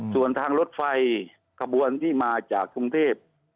ส่วนทางรถไฟขบวนที่มาจากกรุงเทพ